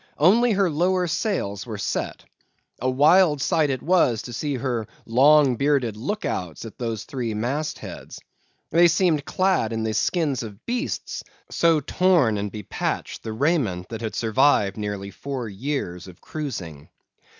Only her lower sails were set. A wild sight it was to see her long bearded look outs at those three mast heads. They seemed clad in the skins of beasts, so torn and bepatched the raiment that had survived nearly four years of cruising.